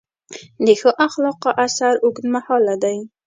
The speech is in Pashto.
د ښو اخلاقو اثر اوږدمهاله دی.